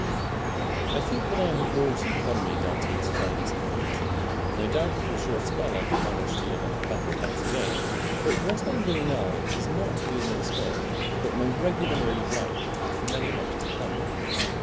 I think that I have brought economy down to its finest point. No doubt, for a short spell I could manage to live on a couple of pence a day; but what I am doing now is not to be a mere spurt, but my regular mode of life for many a month to come.